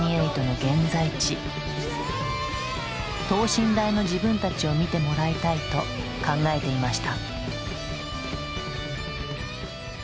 等身大の自分たちを見てもらいたいと考えていました。